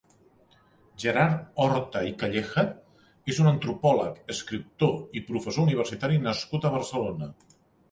Gerard Horta i Calleja és un antropòleg, escriptor i professor universitari nascut a Barcelona.